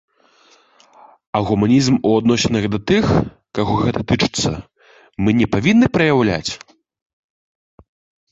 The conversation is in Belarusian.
А гуманізм у адносінах да тых, каго гэта тычыцца, мы не павінны праяўляць?